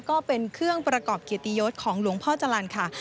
ก็เป็นเครื่องประกอบเกียรติยศของหลวงพ่อจรรย์ค่ะ